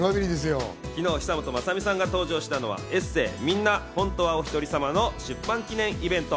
昨日、久本雅美さんが登場したのはエッセー、『みんな、本当はおひとりさま』の出版記念イベント。